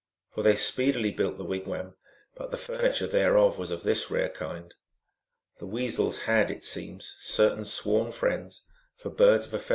For they speedily built the wigwam, but the furni ture thereof was of this rare kind. The Weasels had, it seems, certain sworn friends, for birds of a feather 1 The Hair String, Saggalobee (M.)